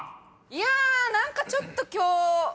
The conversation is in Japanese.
いや何かちょっと。